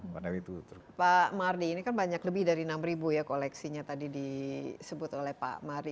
pak mardi ini kan banyak lebih dari enam ya koleksinya tadi disebut oleh pak mari